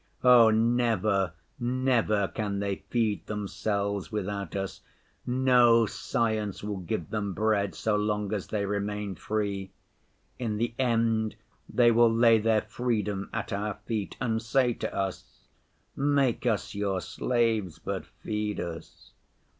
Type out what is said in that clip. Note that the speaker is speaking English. Oh, never, never can they feed themselves without us! No science will give them bread so long as they remain free. In the end they will lay their freedom at our feet, and say to us, "Make us your slaves, but feed us."